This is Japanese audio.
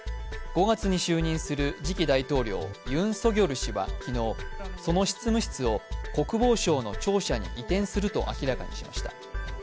５月に就任する次期大統領、ユン・ソギョル氏は昨日、昨日、その執務室を国防省の庁舎に移転すると明らかにしました。